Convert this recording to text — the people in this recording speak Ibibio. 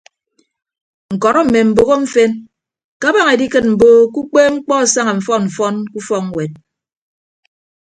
Ñkọrọ mme mboho mfen ke abaña edikịt mbo ke ukpeepmkpọ asaña mfọn mfọn ke ufọkñwet.